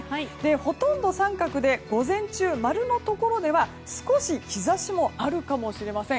ほとんど三角で午前中、丸のところでは少し日差しもあるかもしれません。